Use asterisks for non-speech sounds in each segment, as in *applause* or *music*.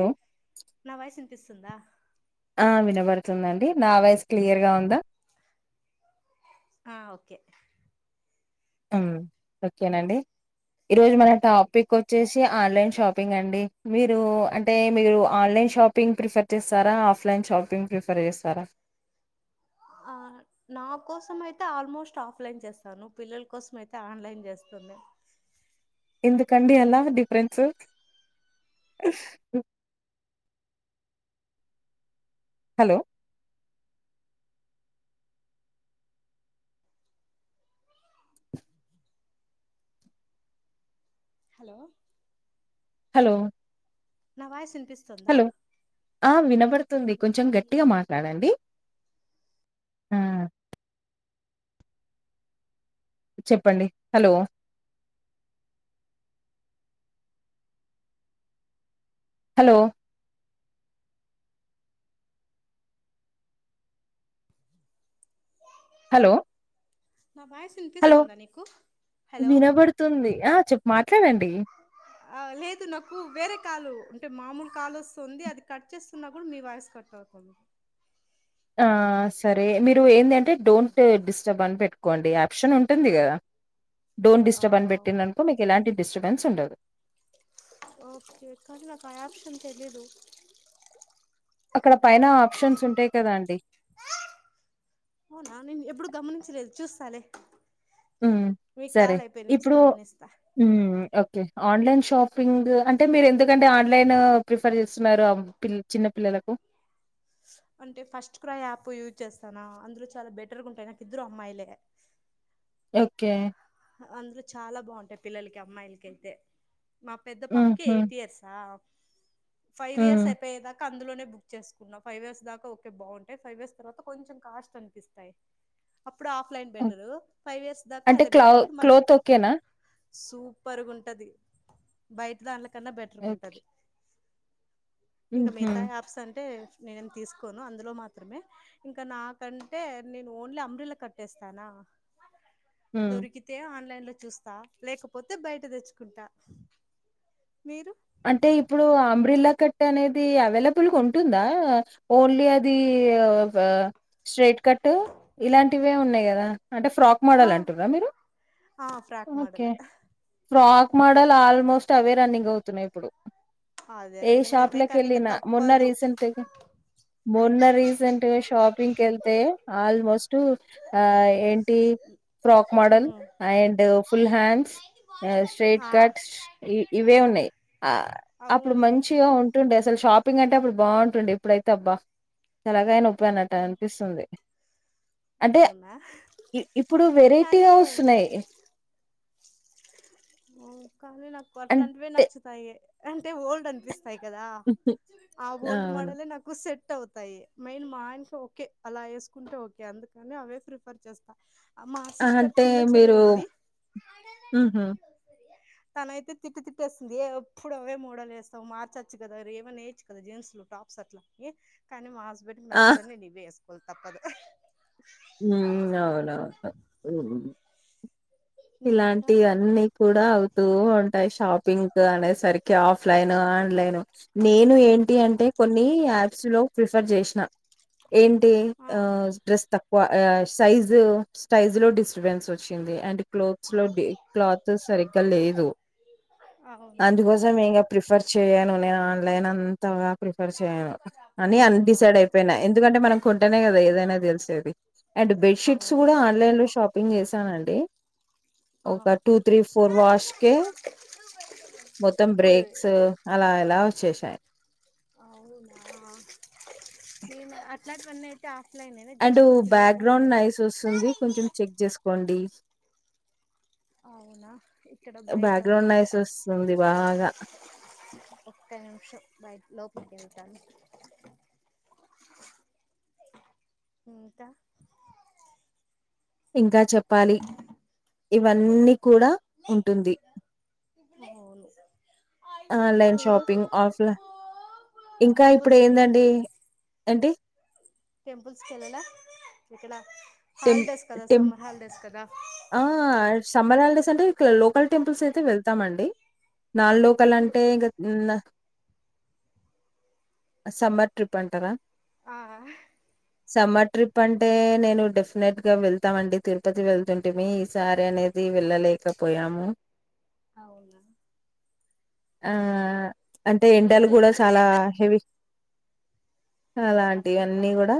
హే నా వాయిస్ వినిపిస్తుందా పిస్తుందండి నా వయస్ క్లియర్ గా ఉందా ఆ ఓకే ఉమ్ ఓకేనండి ఈరోజు మన టాపిక్ వచ్చేసి ఆన్లైన్ షాపింగ్ షంగ్ అండి మీరు అంటే మీరు ఆన్లైన్ షాపింగ్ ప్రిఫర్ చేస్తారా ఆఫ్ లైన్ షాపింగ్ ప్రిఫర్ చేస్తారా ఆ నా కోసం అయితే ఆల్మోస్ట్ ఆఫ్ లైన్ చేస్తాను పిల్లల కోసం అయితే ఆన్లైన్ చేస్తుంది ఎందుకండీ అలా డిఫరెన్స్ హలో హలో హలో నా వాయిస్ వి హలో ఆ వినబడుతుంది కొంచెం ఏమైంది గట్టిగా మాట్లాడండి ఆ చెప్పండి హలో హలో హలో నా వాయిస్ హలో వినిపిస్తుందా నీకు హలో వినబడుతుంది ఆ చెప్పు మాట్లాడండి ఆ లేదు నాకు వేరే కాలు అంటే మామూలు కాలు వస్తుంది అది కట్ చేస్తున్న కూడా మీ వాయిస్ కట్ అవుతుంది చే ఆ సరే మీరు ఏంది అంటే డోంట్ డిస్టర్బ్ అని పెట్టు కొండి ఆప్షన్ ఉంటంది కద డంట్ ఆ డిస్టర్బ్ అని పెట్టిననుకో మీకు ఇలాంటి డిస్టర్బెన్స్ ఉండదు ఓకే కానీ నాకు అయ్ ఆప్షన్ తెలీదు అక్కడ పైన ఆప్షన్స్ ఉంటాయి కదా అండి అవునా నేను ఎప్పుడు గమనించలేదు చూస్తాలే ఉమ్ మీ సరే కాల్ అయిపోయి నుంచి ఇప్పుడు గమనిస్తా ఉమ్ ఓకే. ఆన్లైన్ షాపింగ్ అంటే మీరు ఎందుకంటే ఆన్లైన్ ప్రిఫర్ చేస్తున్నారు ఆ పిల్ చిన్న పిల్లలకు. అంటే ఫస్ట్ క్రై యాప్ యూజ్ చేస్తాను అందులో చాలా బెటర్ గా ఉంటాయి నాకు ఇద్దరు అమ్మాయిలే. ఓకే. అందులో చాలా బాగుంటాయి పిల్లలకి అమ్మాయిలకి అయితే మా పెద్ద పాపకి హుహు. ఎయిట్ ఇయర్సా. Five hmm. ఇయర్స్ అయిపోయేదాకా. అందులోనే బుక్ చేసుకున్నా ఫైవ్ ఇయర్స్ దాకా ఓకే బాగుంటాయి ఫైవ్ ఇయర్స్ తర్వాత కొంచెం కాస్ట్ అనిపిస్తాయి. ఇప్పుడు ఆఫ్లైన్ బెటరు ఫైవ్ ఇయర్స్ దాకా అదే బెట్ ఆహ్ క్లోత్ ఓకేనా. సూపర్గా ఉంటది బయటి దాంట్లో కన్నా బెటర్గా ఓహ్! ఉంటది. ఇంకా హుహు. మిగతా యాప్స్ అంటే. నేను ఏం తీసుకోను అందులో మాత్రమే ఇంకా నాకంటే నేను ఓన్లీ అంబ్రెల్లా కట్టేస్తానా. ఉమ్. దొరికితే ఆన్లైన్ లో చూస్తా లేకపోతే బయట తెచ్చుకుంటా మీరు. అంటే ఇప్పుడు అంబ్రిల్లా కట్ట్ అనేది అవైలబుల్గా ఉంటుందా ఓన్లీ అది. ఇగ ఆహ్ స్ట్రైట్ కట్ ఇలాంటివే ఉన్నాయి కదా. అంటే ఫ్రాక్ ఆ మోడల్ అంటుండ్రా మీరు ఆ frock okay model frock. Frock model almost అవే రన్నింగ్ అవుతున్నాయి ఇప్పుడు. అదే ఏ రన్నింగ్ షాప్ అయితే లకు కానీ ఇంగ వెళ్ళినా మొన్న తప్పదు రీసెంట్గా. మొన్న రీసెంట్గా షాపింగ్ కేళ్తే ఆల్మోస్ట్ ఆహ్. ఏంటి frock model um. And full hands. ఆహ్ స్ట్రయిట్ ఆ కట్స్ ఇవ్ ఇవే ఆ ఉన్నాయి. అప్పుడు అవును మంచిగా ఉంటుండే. అసలు షాపింగ్ అంటే అప్పుడు బాగుంటుండే ఇప్పుడైతే అబ్బా తలకాయనొప్పి అనట్టు ఉమ్. అనిపిస్తుంది. అంటే అవునా ఇప్ ఇప్పుడు వెరైటీగా కానీ వస్తున్నాయి. ఓ కానీ నాకు అట్లాంటివే అంటే నచ్చుతాయి అంటే ఓల్డ్ అనిపిస్తు హై కదా ఆ ఓల్డ్ అవును. మోడలే నాకు సెట్. సెట్ అవుతాయి మెయిన్ మా ఆయనకు ఓకే అలా వేసుకుంటే ఓకే అందుకనే అవే ప్రిఫర్ చేస్తా. మా ఆహ్ సిస్టర్ అంటే చిన్న మీరు చెల్లెలు ఉంది ఉహూ. తనైతే తిట్టి తిట్టేస్తుంది ఏ ఎప్పుడు అవే మోడల్ వేస్తావా మార్చొచ్చు అరే ఏమన్నా వెయ్యొచ్చు కదా జీన్స్ లు టాప్స్. అట్లానీ కానీ మా హస్బెండ్ కి ఆ! నచ్చదని నేను ఇవే వేసుకోవాలి తప్పదు. ఉమ్ అవునవును ఉమ్. ఇంకా ఇలాంటివి అన్నీ కూడా అవుతు ఉం. ఉంటాయి షాపింగ్ అనే సరికి ఆఫ్లైన్ ఆన్లైన్ నేను ఏంటి అంటే కొన్ని. యాప్స్ లో ప్రిఫర్ చేసిన ఏంటి ఆ ఆహ్ డ్రస్ తక్. ఆహ్ సైజు సైజు లో డిస్టర్బెన్స్ వచ్చింది అండ్. క్లోత్స్ లో డిప్ క్లాత్ సరిగ్గా లేదు. ఆవ్. అందుకోసం ఇంకా ప్రిఫర్ చేయను నేను ఆన్లైన్ అంతగా ప్రిఫర్ చేయను అని అందు. డిసైడ్ అవునవును అయిపోయినా ఎందుకంటే మనం కొంటేనే కదా ఏదైనా తెలిసేది. అండ్ బెడ్ షీట్స్ అవును కూడా ఆన్లైన్ లో షాపింగ్ చేశానండి. ఆ ఒక టూ త్రీ ఫోర్ వాష్ కే. మొత్తం ఫుల్ బ్రేక్స్ అలా ఎలా వచ్చేశాయి? అవునా నేను అట్లాంటివన్నయితే ఆ అండ్ బ్యాగ్రౌండ్ నాయిస్ వస్తుంది కొంచెం చెక్ చేసుకోండి. అవునా ఇక్కడ బయట బ్యాగ్రౌండ్ ఉన్నాను నాయిస్ వస్తుంది బాగా. ఒక్క నిమిషం బయట లోపలికి ఎళ్తాను. ఇంకా ఇంకా చెప్పాలి ఇవన్నీ కూడా ఉంటుంది. అవును ఆన్లైన్ మీరు షాపింగ్, ఆఫ్లై ఇంకా ఇప్పుడు టెంపుల్స్ కి ఏందండి. ఏంటి? టెంపుల్స్కేల్లలా ఇక్కల టెం టెం ఆ సమ్మర్ హాలిడేస్ ల్స్ అంటే ఇట్ల లోకల్ టెంపుల్స్ అయితే వెళ్తామండి. నాన్ లోకల్ ట్రిప్పులు అంటే ఇగ నా ఆ సమ్మర్ ట్రిప్ అంటరా. ఆ సమ్మర్ ట్రిప్ అంటే నేను డెఫ్ ఫినెట్ గా వెళ్తామండి తిరుపతి వెళ్తుంటిమి. ఈసారి అనేది వెళ్ళలేకపోయాము. అవునా ఆ అంటే ఎంజాయ్ ఎండలు కూడా చేయాలి కదా చాలా హెవీ అలాంటియి అర్థం అన్నీ కాదు కూడా.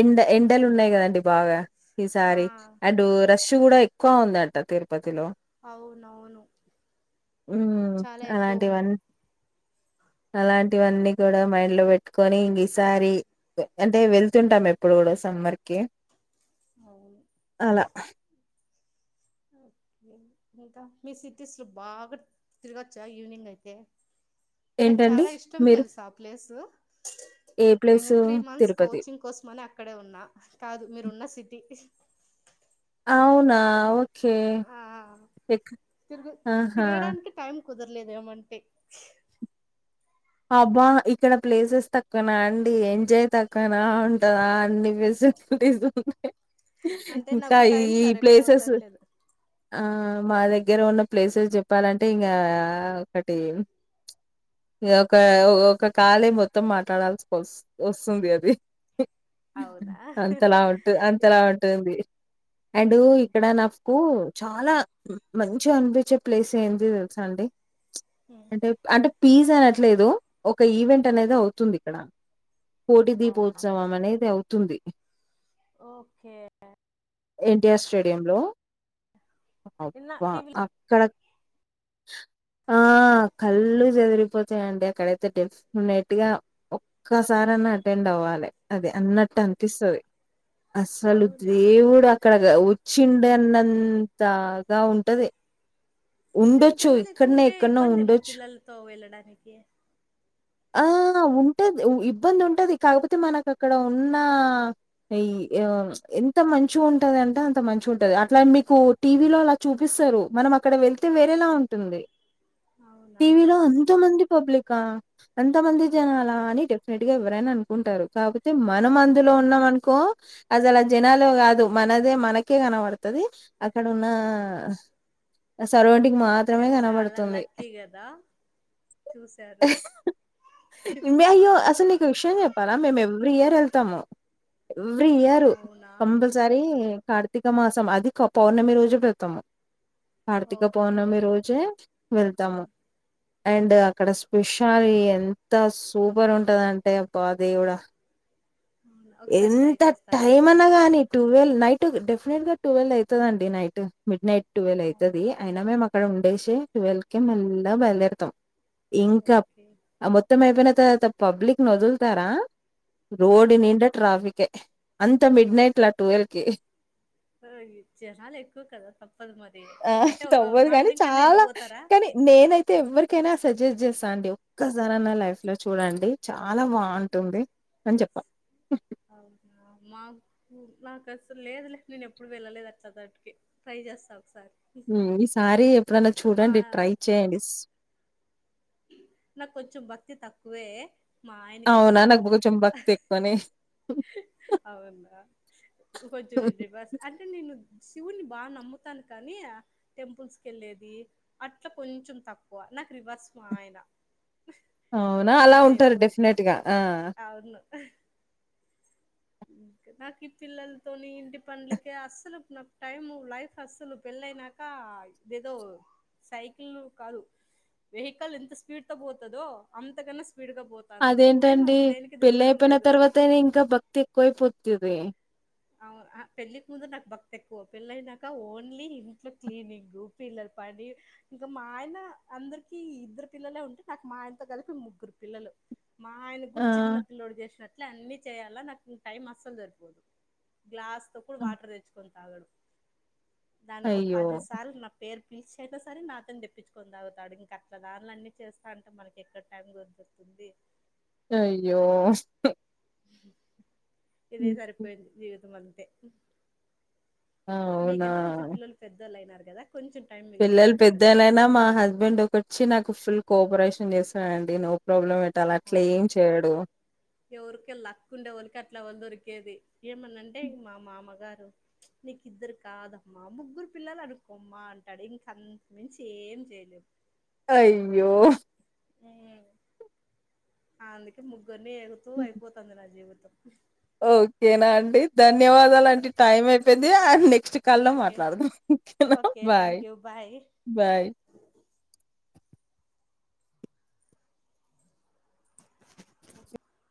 ఎండ ఎండలు ఉన్నయి కదండి బాగా. ఆ ఈసారి అండ్ రష్ కూడా ఎక్కువ ఉందంటా తిరుపతి లో అవునవును హ్మ్ చాలా ఎక్కువ ఉంది అలాంటివన్ అలాంటివన్నీ కూడా మైండ్లో పెట్టుకొని ఇంగ ఈసారి అంటే వెళ్తుంటాం ఎప్పుడు కూడా సమ్మర్కి అవును అలా ఇంకా మీ సిటీస్లో బాగా తిరుగొచ్చా ఈవినింగ్ అయితే. నాకు ఏంటండి చాలా ఇష్టం మీరు తెలుసా ఆ ప్లేసు. ఏ నేను place three months Tirupati coaching కోసమని అక్కడే ఉన్నా. కాదు మీరు ఉన్న సిటీ. అవునా ఓకే ఆ ఎక్ తిరుగు ఆహా తిరగడానికి టైం కుదరలేదు ఏమంటే. అబ్బా ఇక్కడ ప్లేసెస్ తక్కువనా అండి. ఎంజాయ్ తక్కువనా ఉంటదా అండి. *inaudible* అంటే ఇంకా నాకు టైం ఈ ప్లేసెస్ సరకపోతాను లేదు ఆ మా దగ్గ దగ్గర ఉన్న ప్లేసెస్ చెప్పాలంటే ఇంగా ఒకటి ఇంగా ఒక ఒక కాలె మొత్తం మాట్లాడాల్సికోస్ వస్తుంది అది. అవున్ అంతలా ఉంట్ అంతలా ఉంటుంది. అండ్ ఇక్కడ ఉహు. నాకు చాలా మంచిగా అనిపిచ్చే ప్లేస్ ఏంది తెలుసా అండి. ఉ, అంటే అంటే పీస్ అన ట్లేదు ఒక ఈవెంట్ ఉ. అనేది అవుతుంది ఇక్కడ. కోటి అవునా దీపోత్సవం అనేది అవుతుంది. ఓకే ఎన్టీఆర్ స్టేడియం లో నిన్న అబ్బ టీవీ అక్కడ ఆ కళ్ళు చెదిరిపో చేయండి అక్కడైతే డెప్నెట్ గా ఒక్కసారి అయినా అటెండ్ అవ్వాలి అదే అన్నట్టు అనిపిస్తంది అసలు అవునా దేవుడు అక్కడ వచ్చిండే అన్నంతాగా ఉంటది కానీ ఉండొచ్చు జనాలు ఎక్కువ ఇక్కడనే ఉంటే ఎక్కడనో ఇబ్బందే ఏమో ఉండొచ్చు పిల్లలతో వెళ్ళడానికి ఆ ఉంటది ఇబ్బంది ఉంటది కాకపోతే మనకు అక్కడ ఉన్న ఈ అ ఎంత మంచిగా ఉంటదంటే అంత మంచి ఉంటది అట్లా మీకు టీవీలో అలా చూపిస్తారు మనం అక్కడ వెళ్తే వేరేలా ఉంటుంది అవునా టీవీలో అంత మంది పబ్లికా ఎంత మంది ఆ జనాలా అని రెట్గా ఎవ్వరైనా అనుకుంటారు కాకపోతే మనం అవును అందులో ఉన్నాం అనుకో అదెలా ఉమ్ జనాలా కాదు మనదే మనకే కనపడుతది అక్కడ ఉన్న సర్రౌండింగ్ మీరు చాలా లక్కీ కదా చూశారు నో నో అసలు ఒక విషయం చెప్పాలా మేము ఎవ్రీ ఇయర్ వెళ్తాము ఎవ్రీ ఇయరు అవునా కంపల్సరీ కార్తీక మాసం అది పౌర్ణమి రోజు వెళ్తాము కార్తీక ఓకే పౌర్ణమి రోజే ఆ వెళ్తాము అండ్ అక్కడ స్పెషాలి ఎంత సూపర్ ఉంటదంటే అబ్బా దేవుడా అవునా ఒకసారి ట్రై ఎంత చేస్తాను నేను టైం కూడా అయితే అనగాని టుూవెల్ నైట్ టు డెఫినెట్ గా టువెల్ అవుతది అండి నైట్ మిడ్ నైట్ టువెల్వ్ అయితది అవునా అయినా మేం అక్కడ ఉండే ది ట్వూల్ కి మళ్ళా బయలు దేరుతాం ఇంకా ఓకే మొత్తం అయిపోయిన తరువాత పబ్లిక్ ని వదులుతారా ఆ రోడ్ మీదా ట్రాఫిక్ ఏ అంత మిడ్ నైట్ లా టువల్ కి ఓ జనాలు ఎక్కువ కదా తప్పదు మరి ఆ అంటే ఒక మార్నింగ్ కన్నా వెళ్ళి పోతారా నేను అయితే ఎవరి కైనా సజెస్ట్ చేస్తా అండి ఒక్కసారి అయినా నా లైఫ్ లో చూడండి చాలా బాగుంటుంది అని చెప్తా అవునా మాకు నాకు అసలు లేదు లే నేను ఎప్పుడు వెళ్ళలేదు అట్లా తటికి ట్రై చేస్తా ఒక సారి ఉమ్ ఈసారి ఎప్పుడైన్నా చూడండి ట్రై చేయండి నాకు కొంచెం భక్తి తక్కువే మా ఆయనకి అవునా ఎక్కువ నాకు కొంచెం భక్తి ఎక్కువనే అవునా కొచ్చూరుదీ బస్ అంటే నేను శివుని బాగా నమ్ముతాను కానీ టెంపుల్స్ కి వెళ్ళేది అట్లా కొంచెం తక్కువ రివర్స్ మా ఆయన అవునా అలా తనే ఉంటారు ఎక్కువ వెళ్తాడు డెఫినెట్గా ఆ అవును నాకు ఈ పిల్లలతోని ఇంటి పనులకే అస్సలు నా టైమ్ లైఫ్ అస్సలు పెళ్ళైనాక ఆ ఏదేదో సైకిలు కాదు వెహికల్ ఎంత స్పీడ్ గా పోతదో అంత కన్నా స్పీడ్ అదేంటండి పెళ్ళి దొరకడం అయిపోయిన లేదు తర్వాతనే ఇంకా భక్తి ఎక్కువై పోతది పెళ్ళికి ముందు నాకు భక్తి ఎక్కువ పెళ్ళయినాక ఓన్లీ ఇంట్లో క్లీనింగ్ పిల్లలు పది ఇంకా మా ఆయన అందరికి ఇద్దరు పిల్లలే ఉంటే నాకు మా ఆయనతో కలిపి ముగ్గురు పిల్లలు మా ఆయన ఆ! కూడా చిన్న పిల్లడు చేసినట్లే అన్ని చేయాలా నాకు టైం అస్సలు సరిపోదు గ్లాస్ తొ కూడా వాటర్ తెచ్చుకొని తాగడు దానికి ఒక అయ్యో! పది సార్లు నా పేరు పిలిచి అయితే సరే నాతోను తెప్పించు కొని తాగుతాడు ఇంకా అట్ దానిల అన్నిీ చేస్తాంటే మనకి ఎక్కడ టైం దొరికిద్ది అది అయ్యో ఇదే హ్మ్. సరిపోయింది జీవితం అంతే మీకంటే కొంచెం అవునా! పిల్లలు పెద్దోళ్లు అయినారు కదా కొంచెం టైం పిల్లలు మిగులుతాంటుందిలే పెద్దోల్ ఐనా మా హస్బెండ్ ఒకచ్చి నాకు ఫుల్ కోఆపరేషన్ చేస్తాడండి నో ప్రాబ్లం ఎట్ అలా అట్లా ఏం చేయడు ఎవరుకో లక్కుండే వాళ్ళకి అట్లా వాళ్లు దొరికేేది ఏమనంటే మా మామగారు నీకు ఇద్దరు కాదమ్మా ముగ్గురు పిల్లలు అనుకోమ్మా అంటాడు ఇంకంతకు మించి ఏం చేయలేం అయ్యో ఉ అందుకే ముగ్గురిని ఏగుతూ అయిపోతుంది నా జీవితం ఓకేనా అండి ధన్యవాదాలండి టైం అయిపోయింది అండ్ నెక్ నెక్స్ట్ కాల్లో ఓకే మాట్లాడదాం హ హ okay bye thank you bye bye